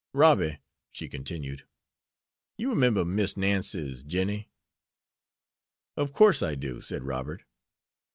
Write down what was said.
"Robby," she continued, "you 'member Miss Nancy's Jinnie?" "Of course I do," said Robert.